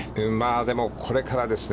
でも、これからですね。